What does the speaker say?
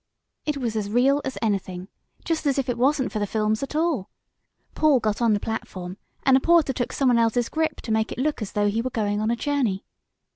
"It was as real as anything just as if it wasn't for the films at all. Paul got on the platform, and a porter took someone else's grip to make it look as though he were going on a journey.